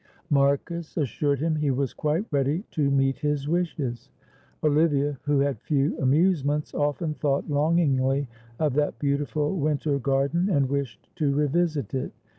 Marcus assured him he was quite ready to meet his wishes. Olivia, who had few amusements, often thought longingly of that beautiful winter garden, and wished to revisit it.